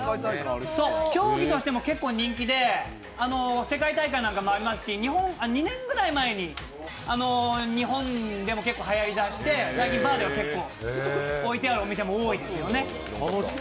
競技としても結構人気で世界大会なんかもありますし２年くらい前に日本でも結構はやりだして、最近バーでは置いてあるお店も多いんですよね。